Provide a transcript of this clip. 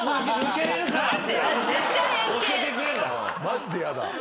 マジで嫌だ。